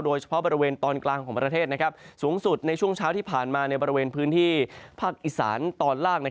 โดยเฉพาะบริเวณตอนกลางของประเทศสูงสุดในช่วงเช้าที่ผ่านมาในบริเวณพื้นที่ภาคอีสานตอนล่าง